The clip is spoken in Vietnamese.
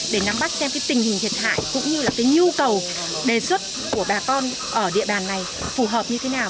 để nắm bắt xem cái tình hình thiệt hại cũng như là cái nhu cầu đề xuất của bà con ở địa bàn này phù hợp như thế nào